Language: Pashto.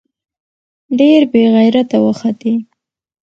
ډېر بې غېرته وختې.